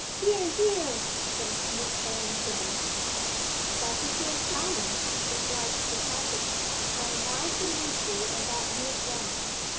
"Hear! hear!" from Smith and Jones. "That's a fair challenge," replied Sir Patrick. "I am bound to meet you on that new ground.